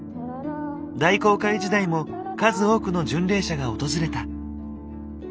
大航海時代も数多くの巡礼者が訪れた。